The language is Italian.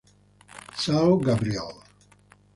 São Gabriel